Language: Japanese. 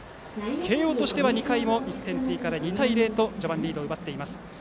慶応としては２回も１点追加で序盤リードを奪っています。